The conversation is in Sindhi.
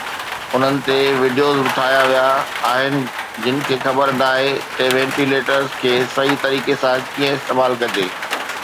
انهن تي وڊيوز به ٺاهيا ويا آهن جن کي خبر ناهي ته وينٽيليٽر کي صحيح طريقي سان ڪيئن استعمال ڪجي